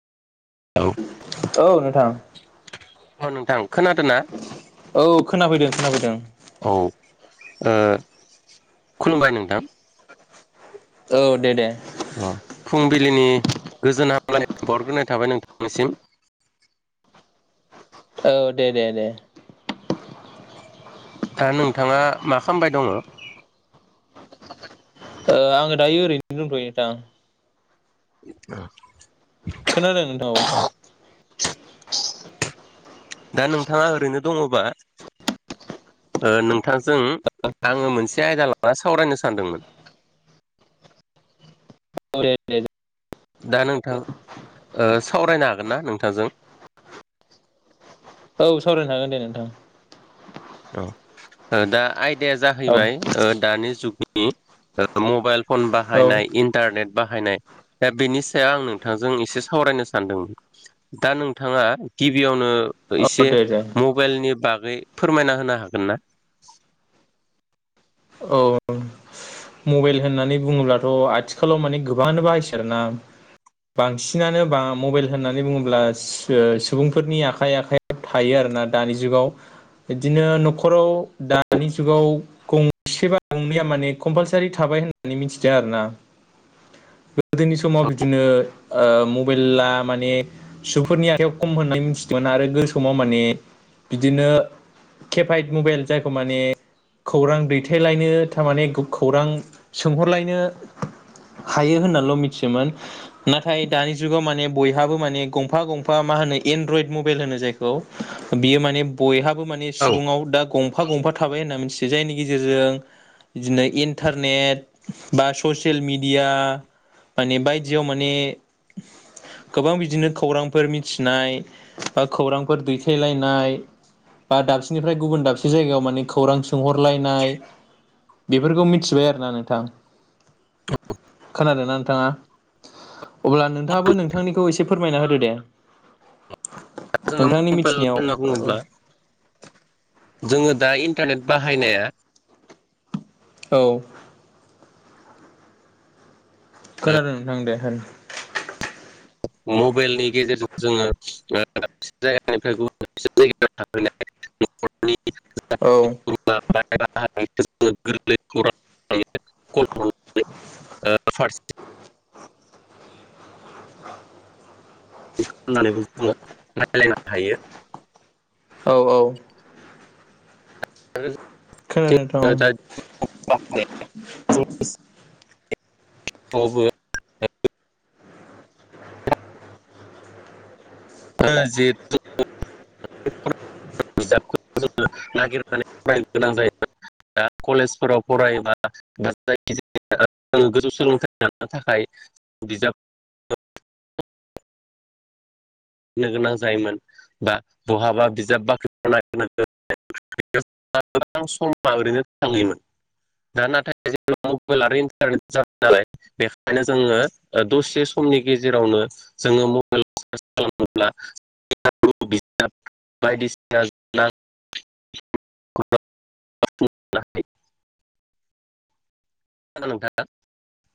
औ औ नोंथां ह नोंथां खोनादों ना औ खोनाफैदों खोनाफैदों। औ ओ खुलुमबाय नोंथां औ दे दे अ फुंबिलिनि गोजोन हामलायखौ बावरग्रोनाय थाबाय नोंथांनिसिम औ दे दे दे दा नोंथाङा मा खालामबाय दङ आं डायो ओरैनो दंथयो नोंथां खोनादों नोंथां औ [inaudible] [inaudible] दा नोंथाङा ओरैनो दङबा ओ नों नोंथांजों आङो मोनसे आयदा लानानै सावरायनो सानदोंमोन। [unintelligible] दा नोंथां ओ सावरायनो हागोन ना नोंथांजों औ सावरायनो हागोन दे नोंथां दा आयदाया औ जाहैबाय दानि जुगनि नि ओ मबाइल फन औ बाहायनाय इन्टारनेट बाहायनाय दा बेनि सायाव आं नोंथांजों एसे सावरायनो सानदों। दा नोंथाङा गिबियावनो इसे औ दे दे मबाइलनि बागै फोरमायना होनो हागोन ना? औ मबाइल होननानै बुङोब्लाथ' आथिखालाव माने गोबाङानो बाहायसै आरोना बांसिनानो बा मबाइल होननानै बुङोब्ला सुबुंफोरनि आखाइ आखाइ थायो आरोना दानि जुगाव बिदिनो न'खाव दानि जुगाव गं सेबा गंनैया माने कम्पालसारि थाबाय होननानै मिथिदों आरोना [inaudible] गोदोनि समाव बिदिनो ओ मबाइला माने सुफोरनि आखायाव खम होननाय मि आरो गोसोमाव माने बिदिनो केपेड मबाइल जायखौ माने खौरां दैथायलायनो थारमाने खौरां सोंहरलायनो हायो होननाल' मिथियोमोन नाथाय दानि जुगाव माने बयहाबो माने गंफा गंफा मा होनो एनद्रयद मबाइल होनो जायखौ बियो माने बयहाबो माने औ सुबुआव दा गंफा गंफा थाबाय होनना मिथियो जायनि ग गेजेरजों बिदिनो इन्टारनेट बा ससियेल मिडिया माने बायजोआव माने गोबां बिदिनो खौरांफोर मिथिनाय बा खौरांफोर दैखायलायनाय बा दाबसेनिफ्राय गुबुन दाबसे जायगायाव माने खौरां सोंहरलाय नाय बेफोरखौ मिथिबाय आरोना नोंथां खोनादों ना नोंथाङा? अब्ला नोंथाङाबो नोंथांनिखौ एसे फोरमायना होदो दे जोङो नोंथांनि मबाइल मिथिनायाव होनना बुङोब्ला जोङो दा इन्टारनेट बाहायनाया औ खोनादों नोंथां दे होन मबाइलनि गेजेरजों जोङो दाब जायगानिफ्राय गुबुन जायगायाव औ थाहैनाय [unintelligible] [unintelligible] फारसे [unintelligible] [unintelligible] खालामनानैबो जोङो रायलायनो हायो। औ औ। खोनादों नोंथां औ [unintelligible] [unintelligible] [unintelligible] [unintelligible] [unintelligible] बिजाबखो जोङो नागिरनानै फरायनो गोनां जायो। कलेजफोराव फरायबा जायखिजाया गोजौ सोलोंथाइ लानो थाखाय बिजाब [unintelligible] नो गोनां जायोमोन बा बहाबा बिजाब बाख्रि [unintelligible] [unintelligible] समा ओरैनो थांयोमोन। दा नाथाय ज मबाइल आरो इन्टारनेट जाबाय नालाय बेखायनो जोङो ओ दसे सम नि गेजेरावनो जोङो मबाइल [unintelligible] खालामोब्ला बिजाब बायदिसिना [unintelligible] [unintelligible] [unintelligible] [unintelligible] नोंथाङा